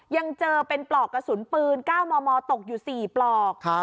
ยังเจอเป็นปลอกกระสุนปืน๙มมตกอยู่๔ปลอก